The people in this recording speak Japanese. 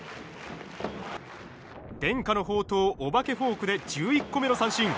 伝家の宝刀お化けフォークで１１個目の三振。